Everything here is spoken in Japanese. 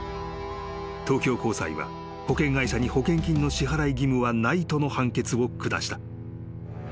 ［東京高裁は保険会社に保険金の支払い義務はないとの判決を下した］